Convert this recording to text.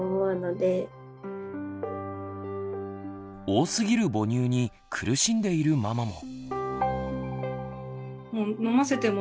多すぎる母乳に苦しんでいるママも。